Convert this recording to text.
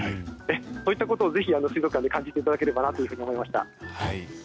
そういったことをぜひ水族館で感じていただければなと思いました。